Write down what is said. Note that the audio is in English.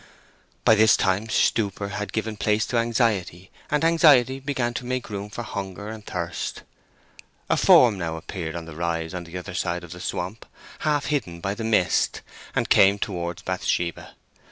By this time stupor had given place to anxiety, and anxiety began to make room for hunger and thirst. A form now appeared upon the rise on the other side of the swamp, half hidden by the mist, and came towards Bathsheba.